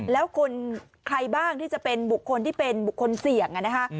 แล้วคนใครบ้างที่จะเป็นบุคคลที่เป็นบุคคลเสี่ยงนะคะ